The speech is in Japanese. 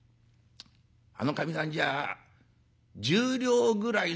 あのかみさんじゃあ１０両ぐらいのことは言うか。